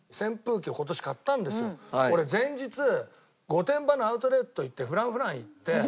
俺前日御殿場のアウトレット行ってＦｒａｎｃｆｒａｎｃ行って。